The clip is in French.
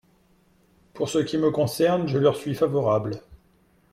Pour ce qui me concerne, je leur suis favorable.